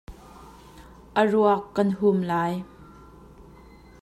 A ruak kan hum lai.